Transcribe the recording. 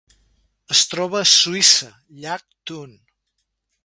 Es troba a Suïssa: llac Thun.